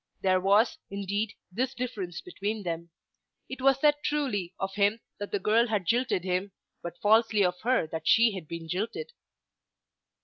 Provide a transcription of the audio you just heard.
There was, indeed, this difference between them. It was said truly of him that the girl had jilted him, but falsely of her that she had been jilted.